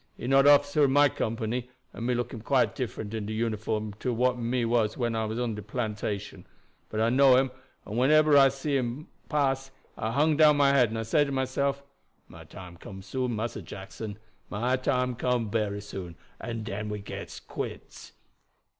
He not officer ob my company, and me look quite different in de uniform to what me was when I work on de plantation; but I know him, and wheneber I see him pass I hung down my head and I say to myself, 'My time come soon, Massa Jackson; my time come bery soon, and den we get quits.'"